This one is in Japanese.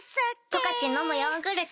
「十勝のむヨーグルト」